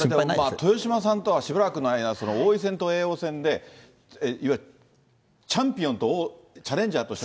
豊島さんとはしばらくの間、王位戦と叡王戦で、いわゆるチャンピオンとチャレンジャーとして。